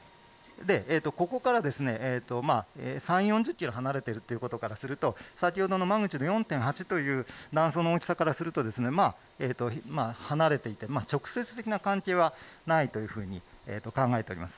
ここから３０、４０キロ離れているということからすると先ほどのマグニチュード４．８という断層の大きさからすると離れていて直接的な関係はないというふうに考えております。